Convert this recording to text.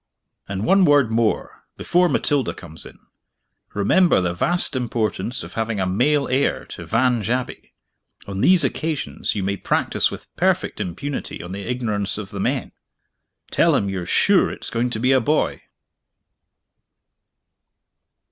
"And one word more, before Matilda comes in. Remember the vast importance of having a male heir to Vange Abbey. On these occasions you may practice with perfect impunity on the ignorance of the men. Tell him you're sure it's going to be a boy!"